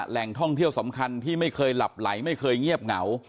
แหล่งท่องเที่ยวสำคัญที่ไม่เคยหลับไหลไม่เคยเงียบเหงา